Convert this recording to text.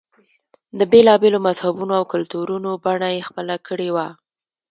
د بېلا بېلو مذهبونو او کلتورونو بڼه یې خپله کړې وه.